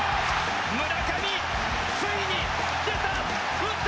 村上、ついに出た、打った！